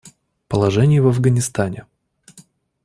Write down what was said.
Положение в Афганистане.